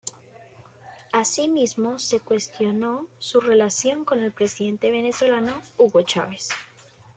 Así mismo, se cuestionó su relación con el presidente venezolano Hugo Chávez.